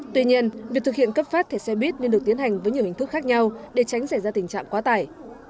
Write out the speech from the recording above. tuy nhiên việc thực hiện cấp phát thẻ xe buýt nên được tiến hành với nhiều hình thức khác nhau để tránh xảy ra tình trạng quá tải